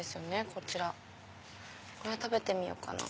こちらこれ食べてみようかな。